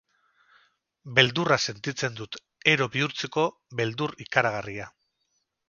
Beldurra sentitzen dut, ero bihurtzeko beldur ikaragarria.